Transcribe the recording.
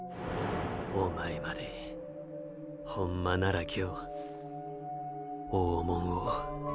お前までホンマなら今日大物を。